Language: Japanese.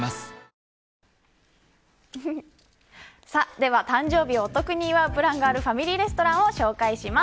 では、誕生日をお得に祝うプランがあるファミリーレストランを紹介します。